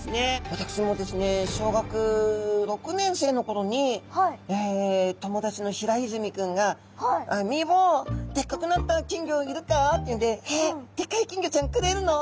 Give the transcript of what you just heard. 私もですね小学６年生の頃に友達の平泉君が「みいぼうでっかくなった金魚いるか」っていうんで「えっでっかい金魚ちゃんくれるの」って。